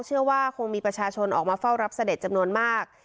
เชื่อว่าคงมีประชาชนออกมาเฝ้ารับเสด็จจำนวนมาก